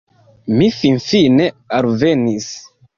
Mi finfine alvenis